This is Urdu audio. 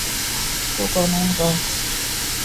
تو قانون کا۔